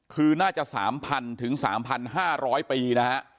คือน่าจะ๓๐๐ถึง๓๕๐๐ปีนะฮะ